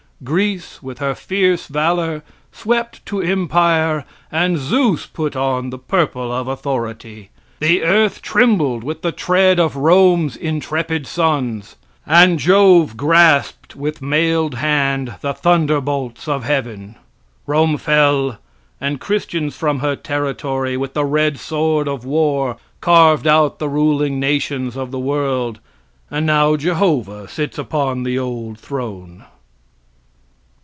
Greece, with her fierce valor, swept to empire, and Zeus put on the purple of authority. The earth trembled with the tread of Rome's intrepid sons, and Jove grasped with mailed hand the thunderbolts of heaven. Rome fell, and Christians from her territory, with the red sword of war, carved out the ruling nations of the world, and now Jehovah sits upon the old throne.